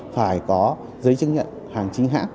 phải có giấy chứng nhận hàng chính hãng